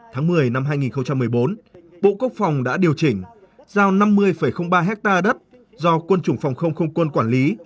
tháng một mươi năm hai nghìn một mươi bốn bộ quốc phòng đã điều chỉnh giao năm mươi ba hectare đất do quân chủng phòng không không quân quản lý